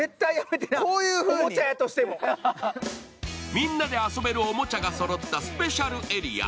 みんなで遊べるおもちゃがそろったスペシャルエリア。